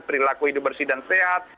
perilaku hidup bersih dan sehat